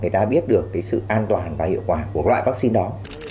người ta biết được sự an toàn và hiệu quả của loại vaccine đó